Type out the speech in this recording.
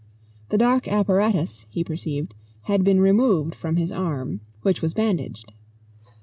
The dark apparatus, he perceived, had been removed from his arm, which was bandaged.